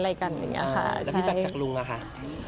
ชินแล้วมึงค่ะ